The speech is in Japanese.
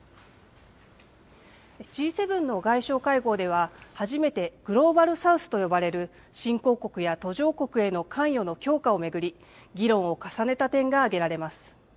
Ｇ７の外相会合では、初めてグローバル・サウスと呼ばれる、新興国や途上国への関与の強化を巡り、議論を重ねた点が挙げられます。